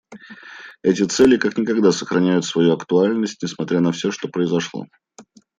Эти цели как никогда сохраняют свою актуальность, несмотря на все то, что произошло.